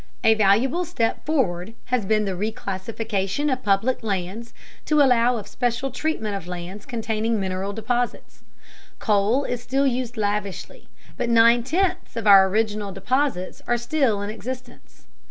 A valuable step forward has been the reclassification of public lands to allow of special treatment of lands containing mineral deposits. Coal is still used lavishly, but nine tenths of our original deposits are still in existence.